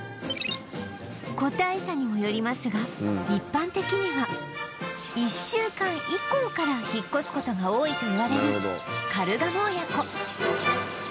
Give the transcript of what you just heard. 個体差にもよりますが一般的には１週間以降から引っ越す事が多いといわれるカルガモ親子